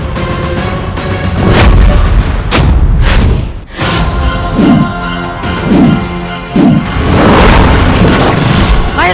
kita sudah letak proses terakhir